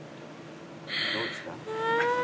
どうですか？